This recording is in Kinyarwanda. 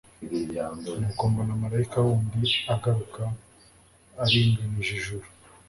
nuko mbona marayika wundi aguruka aringanije ijuru